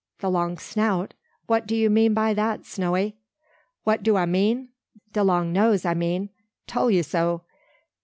"The long snout! what do you mean by that, Snowy?" "Wha do a mean? de long nose a mean. Tole ye so!